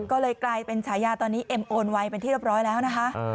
ก็เลยกลายเป็นฉายาตอนนี้เอ็มโอนไวเป็นที่เรียบร้อยแล้วนะคะ